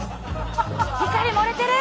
光漏れてる！